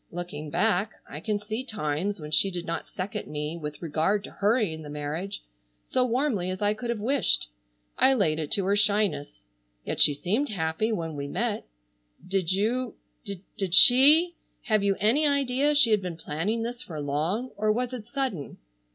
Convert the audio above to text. "Looking back I can see times when she did not second me with regard to hurrying the marriage, so warmly as I could have wished. I laid it to her shyness. Yet she seemed happy when we met. Did you—did she—have you any idea she had been planning this for long, or was it sudden?"